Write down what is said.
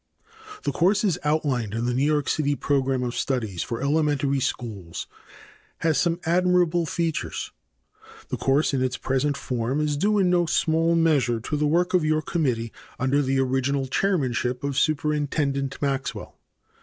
The course as outlined in the New York City program of studies for elementary schools has some admirable features. The course in its present form is due in no small measure to the work of your committee under the original chairmanship of Superintendent Maxwell.